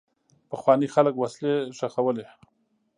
پخواني خلک وسلې ښخولې.